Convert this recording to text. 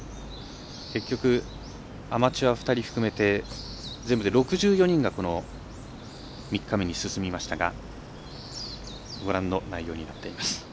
結局、アマチュア２人含めて全部で６４人がこの３日目に進みましたがご覧の内容になっています。